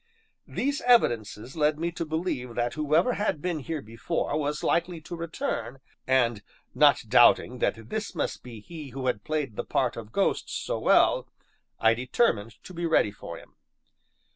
These evidences led me to believe that whoever had been here before was likely to return, and, not doubting that this must be he who had played the part of ghost so well, I determined to be ready for him.